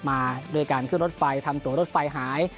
มาด้วยการขึ้นรถไฟทำตัวรถไฟหาย